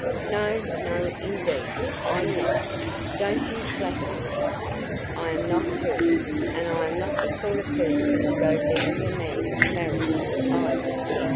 "No, no! Indeed, I'm not! Don't you flatter yourself! I am not hurt, and I'm not the sort of person to go begging a man to marry me, either.